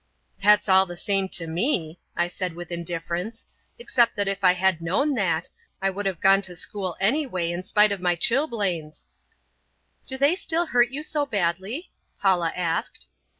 "That's all the same to me," I said with indifference, "except that if I had known that, I would have gone to school anyway in spite of my chilblains." "Do they still hurt you so badly," Paula asked.